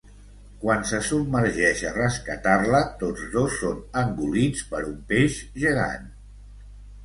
Quan se submergeix a rescatar-la, tots dos són engolits per un peix gegant.